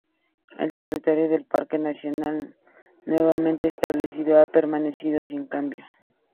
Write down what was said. El territorio del parque nacional nuevamente establecido ha permanecido sin cambio.